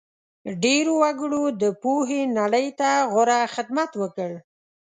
ډېرو وګړو د پوهې نړۍ ته غوره خدمت وکړ.